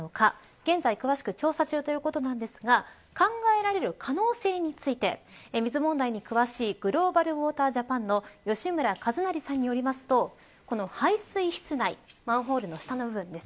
現在、詳しく調査中ですが考えられる可能性について水問題に詳しいグローバルウォータ・ジャパンの吉村和就さんによりますと排水室内マンホールの下の部分です。